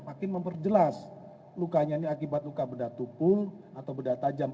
makin memperjelas lukanya ini akibat luka bedah tumpul atau beda tajam